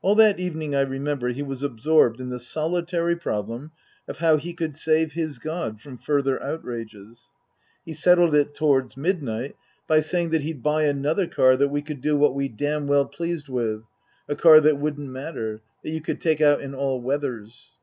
All that evening, I remember, he was absorbed in the solitary problem of how he could save his god from further outrages. He settled it towards midnight by saying 251 252 Tasker Jevons that he'd buy another car that we could do what we damn pleased with a car that wouldn't matter that you could take out in all weathers.